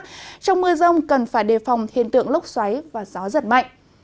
trong mưa rông cần phải đề phòng hiện tượng lốc xoáy và gió giật mạnh